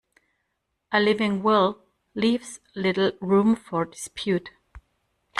A living will, leaves little room for dispute.